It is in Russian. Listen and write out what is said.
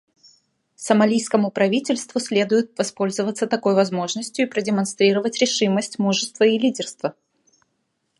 Сомалийскому правительству следует воспользоваться такой возможностью и продемонстрировать решимость, мужество и лидерство.